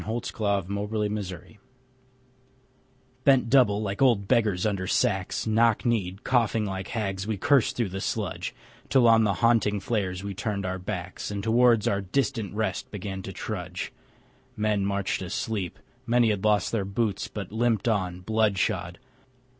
Dulce et Decorum est Bent double, like old beggars under sacks, Knock kneed, coughing like hags, we cursed through sludge, Till on the haunting flares we turned our backs, And towards our distant rest began to trudge. Men marched asleep. Many had lost their boots, But limped on, blood shod.